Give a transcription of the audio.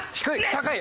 高い！